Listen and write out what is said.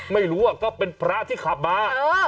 ไม่รู้อะก็เป็นพระที่ขับมา